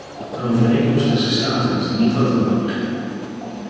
Een overeenkomst tussen staten is niet wat we nodig hebben.